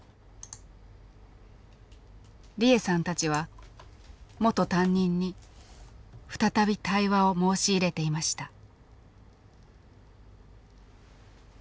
利枝さんたちは元担任に再び対話を申し入れていました。